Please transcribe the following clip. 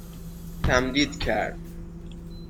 تمدید کرد